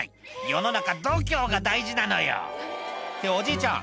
「世の中度胸が大事なのよ」っておじいちゃん